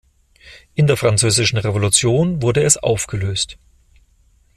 In der Französischen Revolution wurde es aufgelöst.